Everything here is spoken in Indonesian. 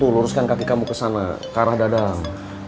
luruskan kaki kamu ke sana ke arah dadang